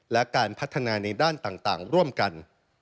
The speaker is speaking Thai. และการพัฒนาในด้านต่างร่วมกัน